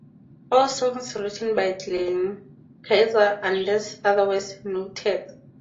All songs written by Glenn Kaiser unless otherwise noted.